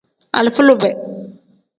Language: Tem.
Alifa lube.